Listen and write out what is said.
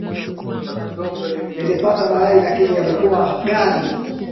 Nilipata mayai lakini yalikuwa ghali.